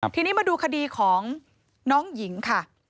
ทีนี้มาดูคดีของน้องหญิงค่ะ